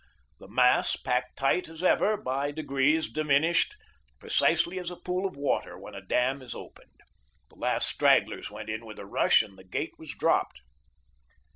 The mass, packed tight as ever, by degrees diminished, precisely as a pool of water when a dam is opened. The last stragglers went in with a rush, and the gate was dropped.